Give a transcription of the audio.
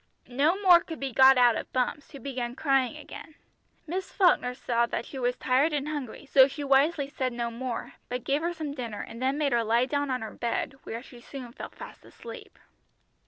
No more could be got out of Bumps, who began crying again. Miss Falkner saw she was tired and hungry, so she wisely said no more, but gave her some dinner, and then made her lie down on her bed, where she soon fell fast asleep.